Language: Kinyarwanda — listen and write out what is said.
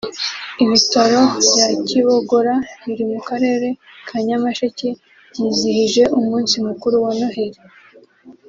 Ibitaro bya Kibogora biri mu Karere ka Nyamasheke byizihije umunsi mukuru wa Noheli